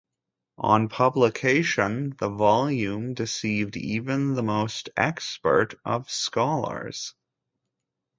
On publication, the volume deceived even the most expert of scholars.